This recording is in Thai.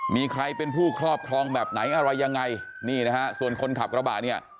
มีใครเป็นผู้ครอบครองแบบไหนอะไรยังไงนี่นะฮะส่วนคนขับกระบะเนี่ย